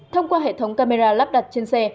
thông qua hệ thống camera lắp đặt trên xe